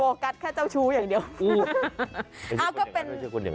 กัสแค่เจ้าชู้อย่างเดียว